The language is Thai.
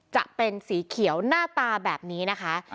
จะเป็นสีเขียวหน้าตาแบบนี้นะคะ